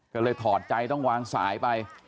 ก็เลยถอดใจต้องวางสายไป